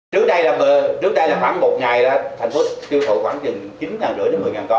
trước đây là khoảng một ngày thành phố tiêu thụ khoảng chín năm trăm linh một mươi con